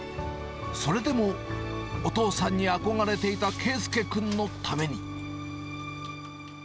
それでも、お父さんに憧れていた佳祐君のために。